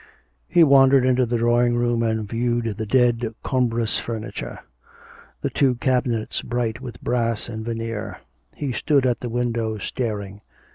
He wandered into the drawing room and viewed the dead, cumbrous furniture; the two cabinets bright with brass and veneer. He stood at the window staring.